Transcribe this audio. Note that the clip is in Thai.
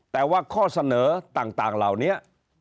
แต่ว่าข้อเสนอต่างเหล่านี้